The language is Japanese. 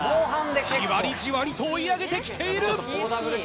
じわりじわりと追い上げて来ている。